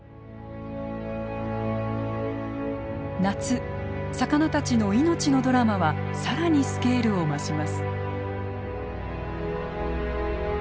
夏魚たちの命のドラマは更にスケールを増します。